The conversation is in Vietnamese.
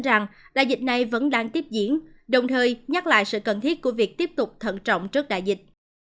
rằng đại dịch này vẫn đang tiếp diễn đồng thời nhắc lại sự cần thiết của việc tiếp tục thận trọng trước đại dịch